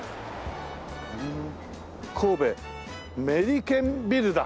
神戸メリケンビルだ。